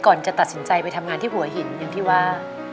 ก่อนจะตัดสินใจไปทำงานที่หัวหินอย่างที่ว่า